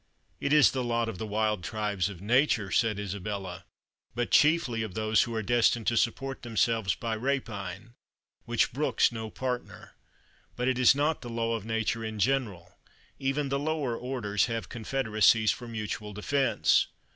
"It is the lot of the wild tribes of nature," said Isabella, "but chiefly of those who are destined to support themselves by rapine, which brooks no partner; but it is not the law of nature in general; even the lower orders have confederacies for mutual defence.